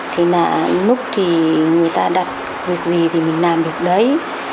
thế là lúc thì người ta đặt việc gì thì mình làm được đấy